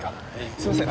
すいません。